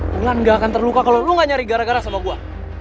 wulan ga akan terluka kalo lo ga nyari gara gara sama gua